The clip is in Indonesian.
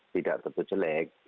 tidak tentu jelek